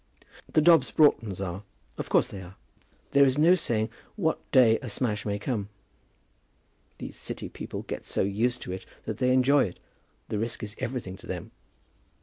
"The Dobbs Broughtons are. Of course they are. There is no saying what day a smash may come. These City people get so used to it that they enjoy it. The risk is every thing to them."